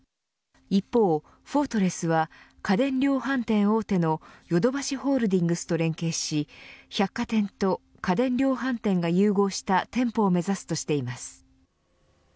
一方、フォートレスは家電量販店大手のヨドバシホールディングスと連携し百貨店と家電量販店が融合した店舗を目指すとしています。